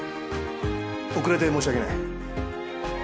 遅れて申し訳ない。